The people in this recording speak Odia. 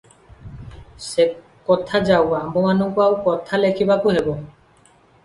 ସେ କଥା ଯାଉ, ଆମ୍ଭମାନଙ୍କୁ ଆଉ କଥା ଲେଖିବାକୁ ହେବ ।